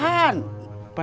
buat resepsi pernikahan